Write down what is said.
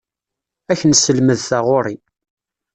Ad ak-nesselmed taɣuri.